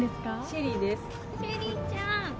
シェリーちゃん！